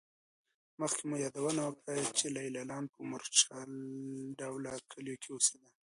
مخکې مو یادونه وکړه چې لېلیان په مورچل ډوله کلیو کې اوسېدل